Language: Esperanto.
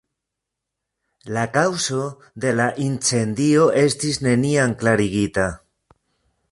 La kaŭzo de la incendio estis neniam klarigita.